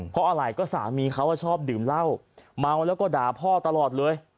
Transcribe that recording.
เพราะอะไรก็สามีเขาชอบดื่มเหล้าเมาแล้วก็ด่าพ่อตลอดเลย